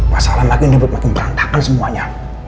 masalah makin ribut makin merantakan semuanya